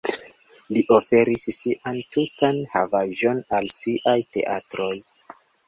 Li oferis sian tutan havaĵon al siaj teatroj.